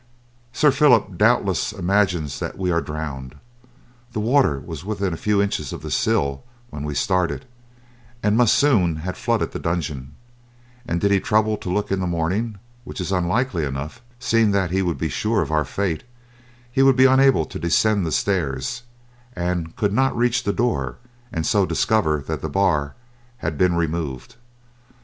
Sir Phillip doubtless imagines that we are drowned. The water was within a few inches of the sill when we started, and must soon have flooded the dungeon; and did he trouble to look in the morning, which is unlikely enough seeing that he would be sure of our fate, he would be unable to descend the stairs, and could not reach to the door, and so discover that the bar had been removed.